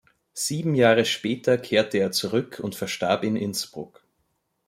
Sieben Jahre später kehrte er zurück und verstarb in Innsbruck.